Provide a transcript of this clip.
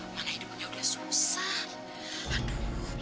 mana hidupnya udah susah